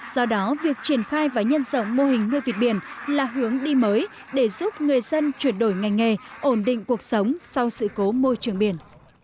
do đó việc triển khai và nhân rộng mô hình nuôi vịt biển là hướng đi mới để giúp người dân chuyển đổi ngành nghề ổn định cuộc sống sau sự cố môi trường biển